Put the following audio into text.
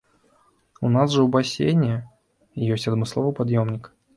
У нас жа ў басейне ёсць адмысловы пад'ёмнік.